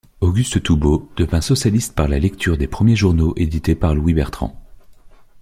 Auguste Toubeau devint socialiste par la lecture des premiers journaux édités par Louis Bertrand.